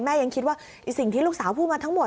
ยังคิดว่าสิ่งที่ลูกสาวพูดมาทั้งหมด